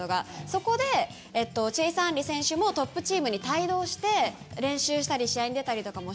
そこでチェイス・アンリ選手もトップチームに帯同して練習したり試合に出たりとかもしてたので。